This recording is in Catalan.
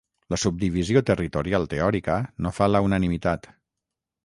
La subdivisió territorial teòrica no fa la unanimitat.